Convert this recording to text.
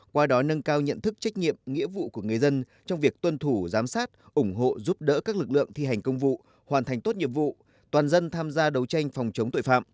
qua đó nâng cao nhận thức trách nhiệm nghĩa vụ của người dân trong việc tuân thủ giám sát ủng hộ giúp đỡ các lực lượng thi hành công vụ hoàn thành tốt nhiệm vụ toàn dân tham gia đấu tranh phòng chống tội phạm